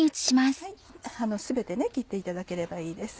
全て切っていただければいいです。